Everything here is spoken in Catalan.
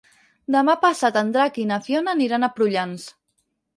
Demà passat en Drac i na Fiona aniran a Prullans.